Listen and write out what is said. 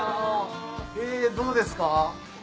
どうですか？